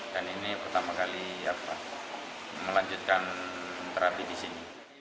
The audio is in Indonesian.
dan ini pertama kali melanjutkan terapi di sini